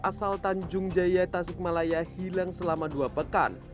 asal tanjung jaya tasik malaya hilang selama dua pekan